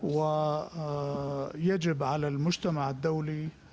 harus diperlukan oleh masyarakat